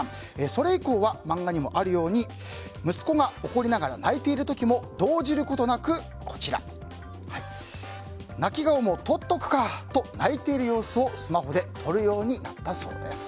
それ以降は漫画にもあるように息子が怒りながら泣いている時も動じることなくこちら、泣き顔も撮っとくかと泣いている様子を、スマホで撮るようになったそうです。